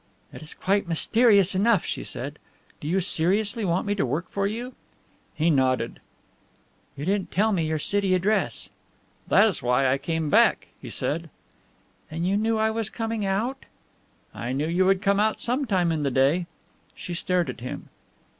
"It is quite mysterious enough," she said. "Do you seriously want me to work for you?" He nodded. "You didn't tell me your city address." "That is why I came back," he said. "Then you knew I was coming out?" "I knew you would come out some time in the day." She stared at him.